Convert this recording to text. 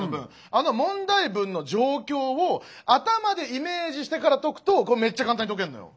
あの問題文の状況を頭でイメージしてから解くとめっちゃ簡単に解けるのよ。